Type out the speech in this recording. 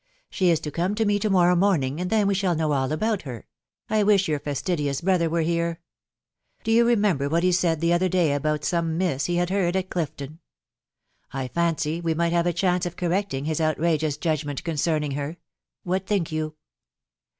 ... She is to come to me to morrow morning, and then we shall know all about her .... I wish your fastidious brother were here !.... Do you remember what he said the other day about some miss he had heard at Clifton ? I fancy we might have a chance of correcting his outrageous judg ment concerning her. ... What think you